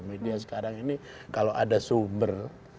media sekarang ini kalau ada sumber